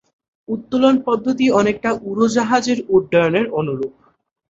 উত্তোলন পদ্ধতি অনেকটা উড়োজাহাজের উড্ডয়নের অনুরূপ।